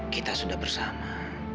kita sudah bersama